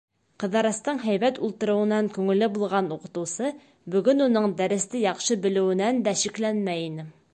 Ҡыҙырастың һәйбәт ултырыуынан күңеле булған уҡытыусы бөгөн уның дәресте яҡшы белеүенән дә шикләнмәй ине.